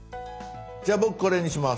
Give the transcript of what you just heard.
じゃあ僕これにします。